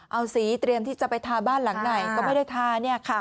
เอาสีเตรียมที่จะไปทาบ้านหลังไหนก็ไม่ได้ทาเนี่ยค่ะ